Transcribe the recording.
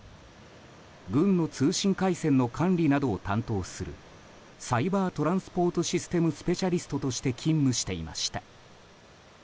軍の通信回線の管理などを担当するサイバー・トランスポート・システム・スペシャリストとして勤務していました。